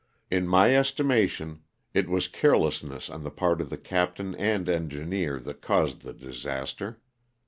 In my esti mation it was carelessness on the part of the captain and engineer that caused the disaster.